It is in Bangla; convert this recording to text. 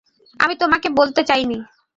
আমি তোমাকে বলতে চাইনি।